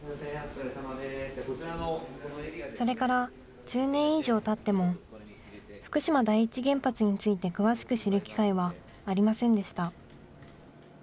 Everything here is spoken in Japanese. それから１０年以上たっても、福島第一原発について詳しく知る機会はありませんでした。